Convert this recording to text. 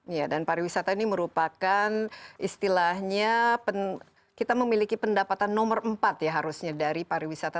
iya dan pariwisata ini merupakan istilahnya kita memiliki pendapatan nomor empat ya harusnya dari pariwisata